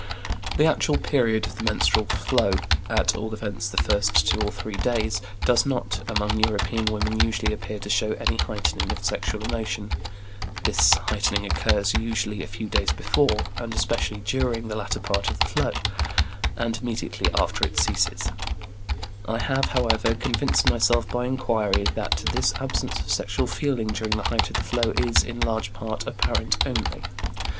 The actual period of the menstrual flow, at all events the first two or three days, does not, among European women, usually appear to show any heightening of sexual emotion. This heightening occurs usually a few days before, and especially during, the latter part of the flow, and immediately after it ceases. I have, however, convinced myself by inquiry that this absence of sexual feeling during the height of the flow is, in large part, apparent only.